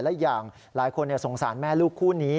และอย่างหลายคนสงสารแม่ลูกคู่นี้